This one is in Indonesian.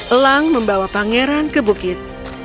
elang membawa pangeran ke bukit